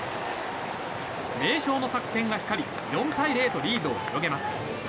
名将の作戦が光り４対０とリードを広げます。